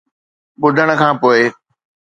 ٻڌڻ کان پوءِ،